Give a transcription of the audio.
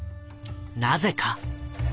なぜか。